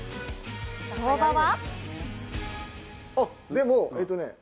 相場は？